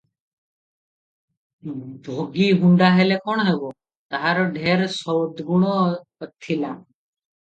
ଭଗି ହୁଣ୍ତା ହେଲେ କଣ ହେବ, ତାହାର ଢେର ସଦଗୁଣ ଥିଲା ।